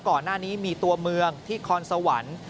ก่อนหน้านี้มีตัวเมืองที่คอนสวรรค์